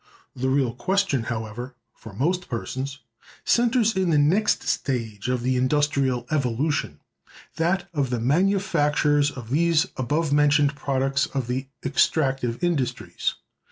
The real question, however, for most persons, centers in the next stage of the industrial evolution—that of the manufactures of these above mentioned products of the "extractive industries."